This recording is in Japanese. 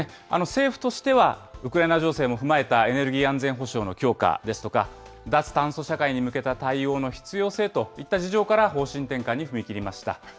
政府としては、ウクライナ情勢も踏まえたエネルギー安全保障の強化ですとか、脱炭素社会に向けた対応の必要性といった事情から方針転換に踏み切りました。